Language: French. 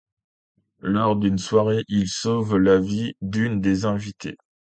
Lors d’une soirée, il sauve la vie d’une des invités.